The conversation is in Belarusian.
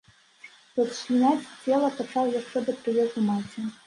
Расчляняць цела пачаў яшчэ да прыезду маці.